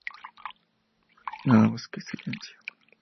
Nada más que silencio.